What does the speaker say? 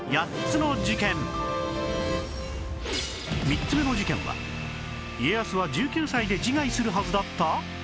３つ目の事件は家康は１９歳で自害するはずだった！？